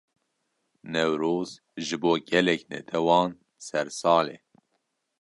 Newroz, ji bo gelek netewan sersal e